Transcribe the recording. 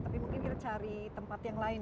tapi mungkin kita cari tempat yang lain